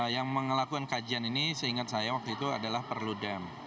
yang mengelakukan kajian ini seingat saya waktu itu adalah perlu dem